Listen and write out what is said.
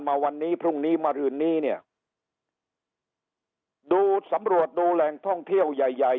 มาวันนี้พรุ่งนี้มารืนนี้เนี่ยดูสำรวจดูแหล่งท่องเที่ยวใหญ่ใหญ่